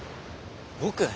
僕？